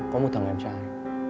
có một thằng em trai